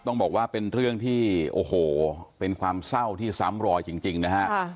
ต้องบอกว่าเป็นเรื่องที่โอ้โหเป็นความเศร้าที่ซ้ำรอยจริงนะฮะ